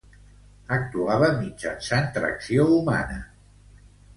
Actuava mitjançant tracció humana.